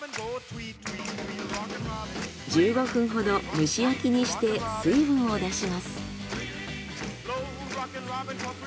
１５分ほど蒸し焼きにして水分を出します。